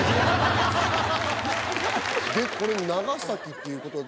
でこれ長崎ということで。